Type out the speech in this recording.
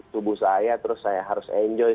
tubuh saya terus saya harus enjoy